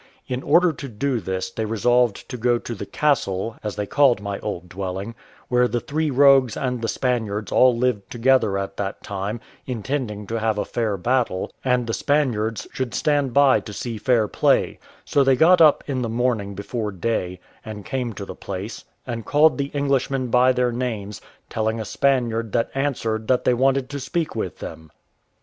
In order to do this they resolved to go to the castle (as they called my old dwelling), where the three rogues and the Spaniards all lived together at that time, intending to have a fair battle, and the Spaniards should stand by to see fair play: so they got up in the morning before day, and came to the place, and called the Englishmen by their names telling a Spaniard that answered that they wanted to speak with them.